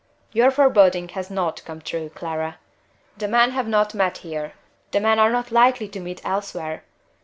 "Your foreboding has not come true, Clara! The men have not met here the men are not likely to meet elsewhere.